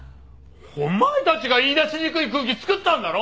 お前たちが言いだしにくい空気つくったんだろ！